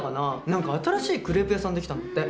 何か新しいクレープ屋さん出来たんだって。